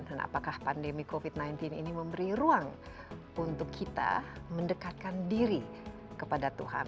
dan apakah pandemi covid sembilan belas ini memberi ruang untuk kita mendekatkan diri kepada tuhan